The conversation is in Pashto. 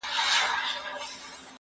زه هره ورځ کتاب وليکم!.!.